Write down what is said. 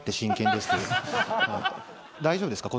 大丈夫ですか？